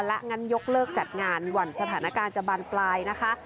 และงั้นยกเลิกจัดงานหวั่นสถานการณ์จะบานปลายนะคะ